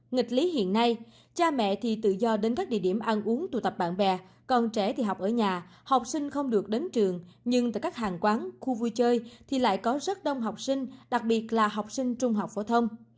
nghịch lý hiện nay cha mẹ thì tự do đến các địa điểm ăn uống tụ tập bạn bè còn trẻ thì học ở nhà học sinh không được đến trường nhưng tại các hàng quán khu vui chơi thì lại có rất đông học sinh đặc biệt là học sinh trung học phổ thông